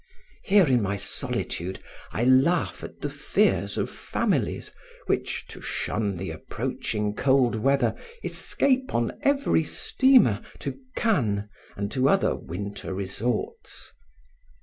Here in my solitude I laugh at the fears of families which, to shun the approaching cold weather, escape on every steamer to Cannes and to other winter resorts.